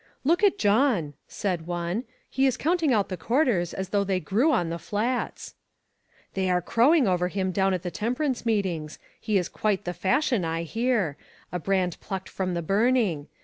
"Look at John," said one, "he is count ing out the quarters as though they grew on the Flats." " They are crowing over him down at the temperance meetings ; he is quite the fashion, I hear. A brand plucked from the burning.